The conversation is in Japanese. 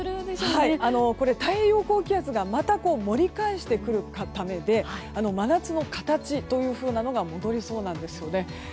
太平洋高気圧がまた盛り返してくるためで真夏の形が戻りそうです。